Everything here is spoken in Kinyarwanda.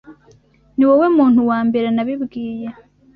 Niwowe muntu wa mbere nabibwiye.